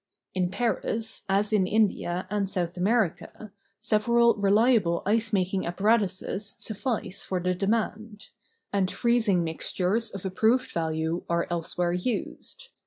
In Paris, as in India and South America, several reliable ice making ap¬ paratuses suffice for the demand ; and freezing mixtures of approved value are elsewhere used.